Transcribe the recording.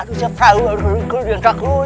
harusnya prabu amuk marukul yang takut